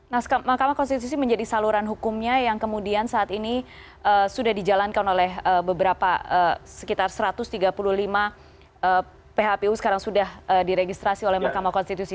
nah mahkamah konstitusi menjadi saluran hukumnya yang kemudian saat ini sudah dijalankan oleh beberapa sekitar satu ratus tiga puluh lima phpu sekarang sudah diregistrasi oleh mahkamah konstitusi